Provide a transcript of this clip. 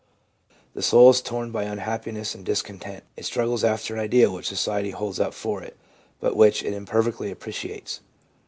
The soul is torn by unhappiness and dis content. It struggles after an ideal which society holds up for it, but which it imperfectly appreciates.